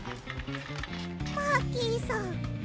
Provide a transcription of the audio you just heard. マーキーさん。